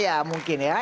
ya mungkin ya